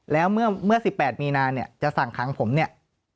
แล้วเมื่อ๑๘มีนาเนี่ยจะสั่งขังผมเนี่ย